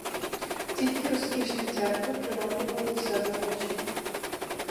Тільки розкішні церкви приваблювали до себе очі.